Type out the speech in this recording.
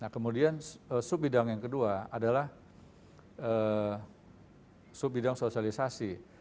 kemudian sub bidang yang kedua adalah sub bidang sosialisasi